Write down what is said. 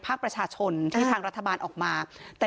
ภาคประชาชนที่ทางรัฐบาลออกมา